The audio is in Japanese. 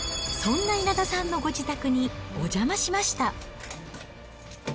そんな稲田さんのご自宅にお邪魔しました。